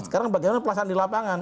sekarang bagaimana pelaksanaan di lapangan